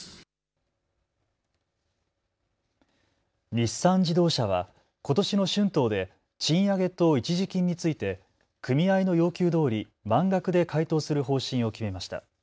日産自動車はことしの春闘で賃上げと一時金について組合の要求どおり満額で回答する方針を決めました。